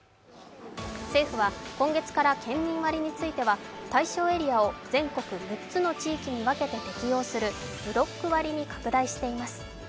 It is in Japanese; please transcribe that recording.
政府は今月から県民割については、対象エリアを全国６つの地域に分けて適用するブロック割に拡大しています。